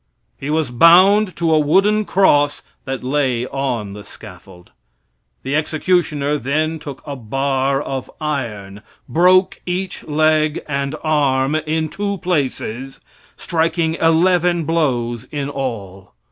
He was bound to a wooden cross that lay on the scaffold. The executioner then took a bar of iron, broke each leg and arm in two places, striking eleven blows in all.